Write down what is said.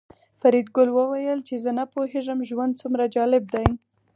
فریدګل وویل چې زه نه پوهېږم ژوند څومره جالب دی